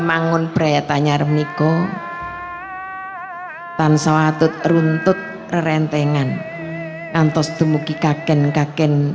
manggun berat tanya remniko tan sawatut runtut keren tengan antos demuki kagen kagen